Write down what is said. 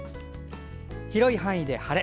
広い範囲で晴れ。